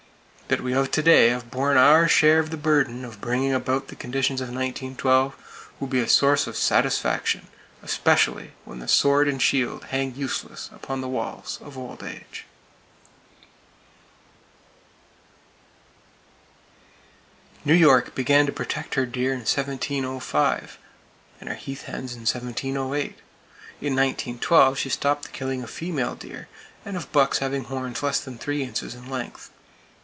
That we of to day have borne our share of the burden of bringing about the conditions of 1912, will be a source of satisfaction, especially when the sword and shield hang useless upon the walls of Old Age. New York began to protect her deer in 1705 and her heath hens in 1708. In 1912 she stopped the killing of female deer, and of bucks having horns less than three inches in length.